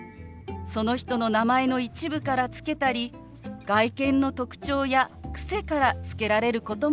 その人の名前の一部から付けたり外見の特徴や癖から付けられることもあります。